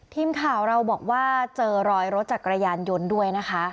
ทีมข่าวเราบอกว่าเจอรอยรถจักรยานยนต์ด้วยนะคะ